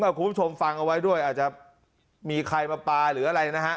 คุณผู้ชมฟังเอาไว้ด้วยอาจจะมีใครมาปลาหรืออะไรนะฮะ